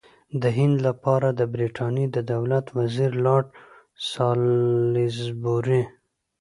د هند لپاره د برټانیې د دولت وزیر لارډ سالیزبوري.